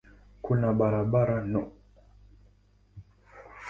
Kuna barabara no.